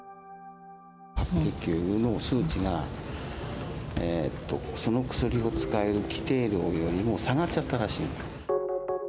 白血球の数値が、その薬を使える規定量よりも下がっちゃったらしい。